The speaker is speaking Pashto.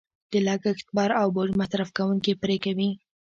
د لګښت بار او بوج مصرف کوونکې پرې کوي.